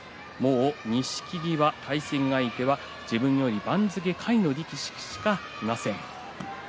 錦木側も対戦相手は自分より番付下位の力士しかいません。